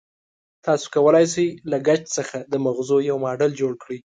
تاسې کولای شئ له ګچ څخه د مغزو یو ماډل جوړ کړئ.